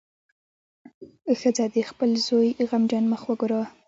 ښځه د خپل زوی غمجن مخ وګوره.